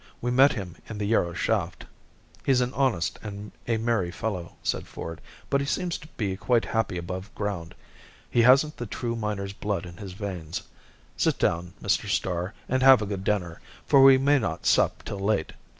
We met him in the Yarrow shaft." "He's an honest and a merry fellow," said Ford; "but he seems to be quite happy above ground. He hasn't the true miner's blood in his veins. Sit down, Mr. Starr, and have a good dinner, for we may not sup till late."